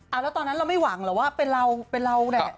แล้วตอนนั้นเราไม่หวังหรือว่าเป็นเราแหละ